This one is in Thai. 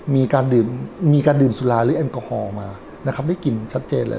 มีการดื่มมีการดื่มสุราหรือแอลกอฮอล์มานะครับได้กลิ่นชัดเจนเลย